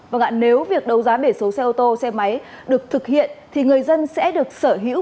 vâng ạ nếu việc đấu giá biển số xe ô tô xe máy được thực hiện thì người dân sẽ được sở hữu